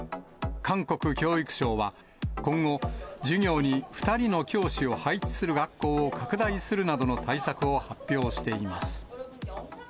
韓国教育省は、今後、授業に２人の教師を配置する学校を拡大するなどの対策を発表しています。